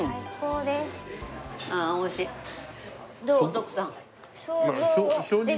徳さん。